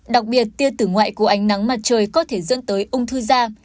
đặc biệt tia tử ngoại của ánh nắng mặt trời có thể dẫn tới ung thư da